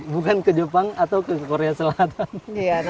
bukan ke jepang atau ke korea selatan